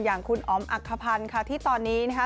อย่างคุณอ๋อมอักขพันธ์ค่ะที่ตอนนี้นะคะ